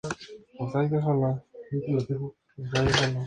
En su primer viaje, Cristóbal Colón llevó a Europa los pimientos americanos.